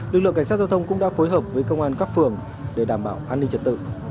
lực lượng cảnh sát giao thông cũng đã phối hợp với công an các phường để đảm bảo an ninh trật tự